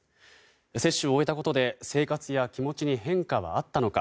接種を終えたことで生活や気持ちに変化はあったのか。